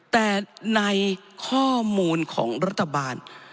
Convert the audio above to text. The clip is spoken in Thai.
แต่ในข้อมูลของรัฐบาล